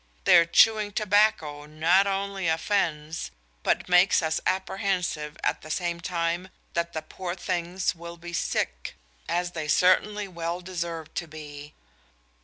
Their chewing tobacco not only offends, but makes us apprehensive at the same time that the poor things will be sick," as they certainly well deserved to be.